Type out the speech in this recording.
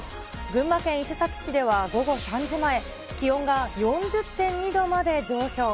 群馬県伊勢崎市では午後３時前、気温が４０．２度まで上昇。